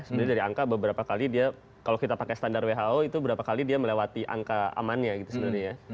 sebenarnya dari angka beberapa kali dia kalau kita pakai standar who itu berapa kali dia melewati angka amannya gitu sebenarnya ya